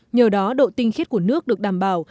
nhờ đó độ tinh khiết của nước được đảm bảo